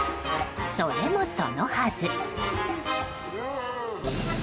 それもそのはず。